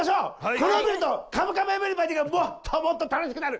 これを見ると「カムカムエヴリバディ」がもっともっと楽しくなる！